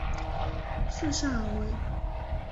圣萨尔维。